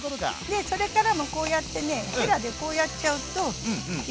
でそれからもこうやってねへらでこうやっちゃうといい感じよ。